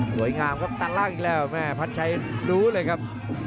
สวยงามครับตัดล่างอีกแล้วแม่พัดชัยรู้เลยครับ